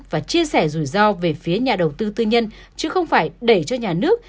và chia sẻ rủi ro về phía nhà đầu tư tư nhân chứ không phải đẩy cho nhà nước